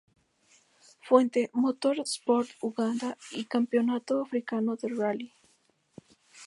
Fuente: Motor Sport Uganda y Campeonato Africano de Rally